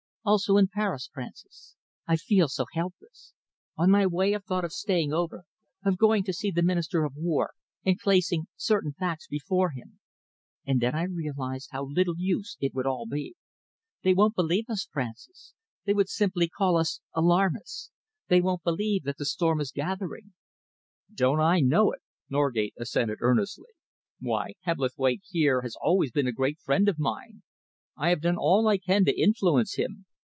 "Also in Paris. Francis, I feel so helpless. On my way I thought of staying over, of going to see the Minister of War and placing certain facts before him. And then I realised how little use it would all be. They won't believe us, Francis. They would simply call us alarmists. They won't believe that the storm is gathering." "Don't I know it!" Norgate assented earnestly. "Why, Hebblethwaite here has always been a great friend of mine. I have done all I can to influence him.